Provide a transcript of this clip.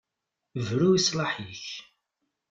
Bru i sslaḥ-ik!